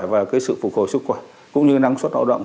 và cái sự phục hồi sức khỏe cũng như năng suất lao động